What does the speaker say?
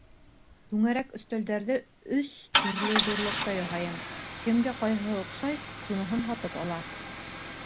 Түңәрәк өҫтәлдәрҙе өс төрлө ҙурлыҡта яһайым: кемгә ҡайһыһы оҡшай, шуныһын һатып ала.